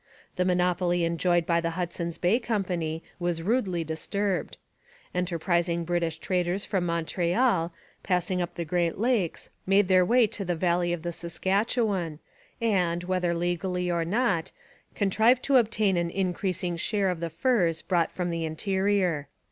The monopoly enjoyed by the Hudson's Bay Company was rudely disturbed. Enterprising British traders from Montreal, passing up the Great Lakes, made their way to the valley of the Saskatchewan and, whether legally or not, contrived to obtain an increasing share of the furs brought from the interior.